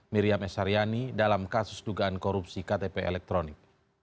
miriam esaryani dalam kasus dugaan korupsi ktp elektronik